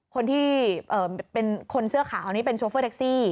คนที่เป็นคนเสื้อขาวนี่เป็นโชเฟอร์แท็กซี่